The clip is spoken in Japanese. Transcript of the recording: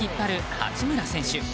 八村選手。